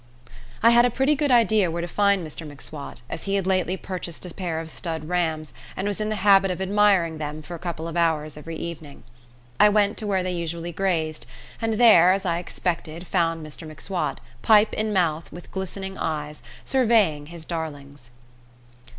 I had a pretty good idea where to find Mr M'Swat, as he had lately purchased a pair of stud rams, and was in the habit of admiring them for a couple of hours every evening. I went to where they usually grazed, and there, as I expected, found Mr M'Swat, pipe in mouth, with glistening eyes, surveying his darlings.